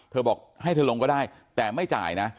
บอกให้เธอลงก็ได้แต่ไม่จ่ายนะ